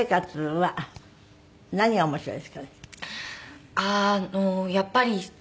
はい。